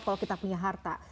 kalau kita punya harta